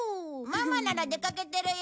ママなら出かけてるよ。